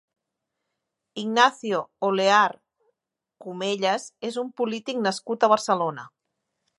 Ignacio Oleart Comellas és un polític nascut a Barcelona.